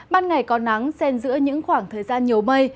ban ngày còn nắng xen giữa những khoảng thời gian nhiều mây